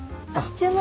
注文。